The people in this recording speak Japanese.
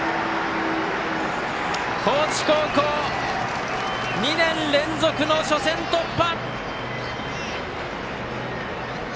高知高校、２年連続の初戦突破！